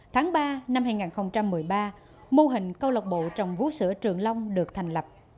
tháng ba năm hai nghìn một mươi ba mô hình câu lạc bộ trồng vũ sữa trường long được thành lập